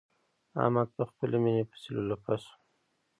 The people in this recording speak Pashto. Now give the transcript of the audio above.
احمد په خپلې ميينې پسې لولپه شو.